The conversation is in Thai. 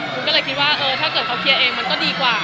คุณก็เลยคิดว่าเออถ้าเกิดเขาเคลียร์เองมันก็ดีกว่า